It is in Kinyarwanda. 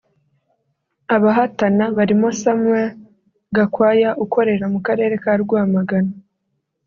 Abahatana barimo Samuel Gakwaya ukorera mu Karere ka Rwamagana